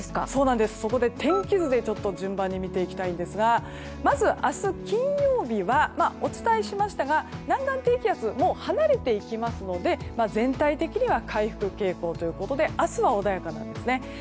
そこで天気図で順番に見ていきたいんですがまず明日、金曜日はお伝えしましたが南岸低気圧はもう離れていきますので全体的には回復傾向ということで明日は穏やかなんですね。